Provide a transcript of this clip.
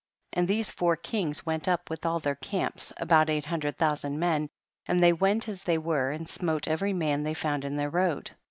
2. And these four kings went up with all their camps, about eight lumdrcd thousand men, and they went as thev Avcre, and smote every man they found in their road.